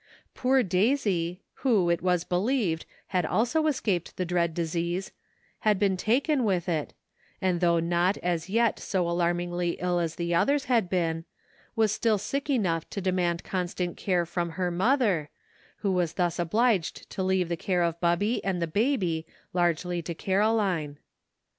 Poor Daisy, who, it was believed, had also es caped the dread disease, had been taken with it, and though not, as yet, so alarmingly ill as the others had been, was still sick enough to demand constant care from her mother, who was thus obliged to leave the care of Bubby and the baby largely to Caroline.